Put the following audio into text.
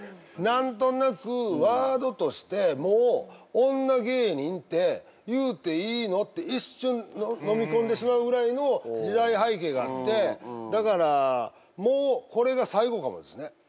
何となくワードとしてもう女芸人って言うていいの？って一瞬のみ込んでしまうぐらいの時代背景があってだからもうこれが最後かもですね